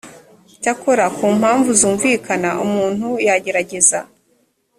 cyakora ku mpamvu zumvikana umuntu yagerageza.